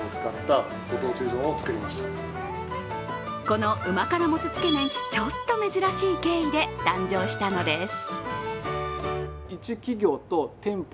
この旨辛モツつけ麺、ちょっと珍しい経緯で誕生したのです。